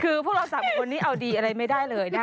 คือพวกเรา๓คนนี้เอาดีอะไรไม่ได้เลยนะคะ